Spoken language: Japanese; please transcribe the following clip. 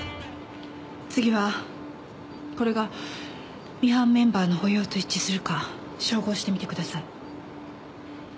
次はこれがミハンメンバーの歩容と一致するか照合してみてください。